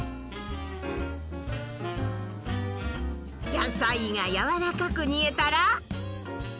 野菜が軟らかく煮えたら。